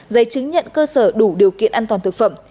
giấy chứng nhận cơ sở đủ điều kiện an toàn thực phẩm